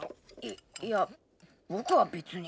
いいや僕は別に。